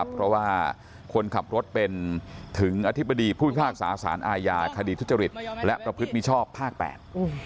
เพราะว่าคนขับรถเป็นถึงอธิบดีผู้พิพากษาสารอาญาคดีทุจริตและประพฤติมิชอบภาคแปด